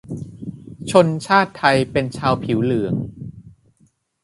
ชนชาติไทย เป็นชาวผิวเหลือง